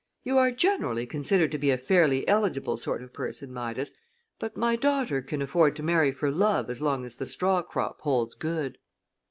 "You are generally considered to be a fairly eligible sort of person, Midas, but my daughter can afford to marry for love as long as the straw crop holds good."